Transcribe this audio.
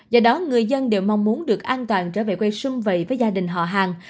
do đó người dân đều mong muốn được an toàn trở về quê xung vầy với gia đình họ hàng